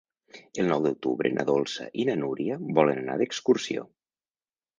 El nou d'octubre na Dolça i na Núria volen anar d'excursió.